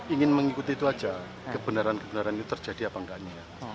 ingin mengikuti itu saja kebenaran kebenaran ini terjadi apa tidak